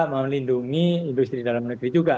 melindungi industri dalam negeri juga